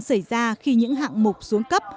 xảy ra khi những hạng mục xuống cấp